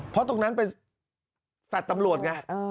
เพราะตรงนั้นเป็นแฟลต์ตำรวจไง